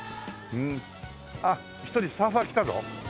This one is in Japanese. あっ１人サーファー来たぞ。